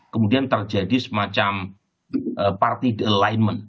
kemudian terjadi semacam party the alignment